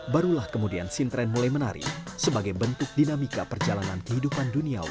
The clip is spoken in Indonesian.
barulah kemudian sintren mulai menari sebagai bentuk dinamika perjalanan kehidupan duniawi